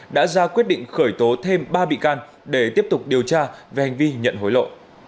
đã ra quyết định khởi tố thêm ba bị can để tiếp tục điều tra về hành vi nhận hối lộ